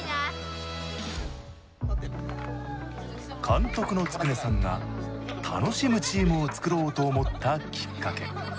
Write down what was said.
監督の築根さんが楽しむチームを作ろうと思ったきっかけ。